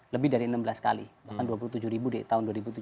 lebih dari enam belas kali bahkan dua puluh tujuh ribu di tahun dua ribu tujuh belas